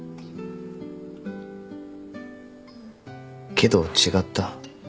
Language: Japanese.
けど違った。